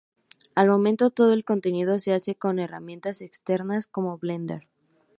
Al momento, todo el contenido se hace con herramientas externas, como Blender.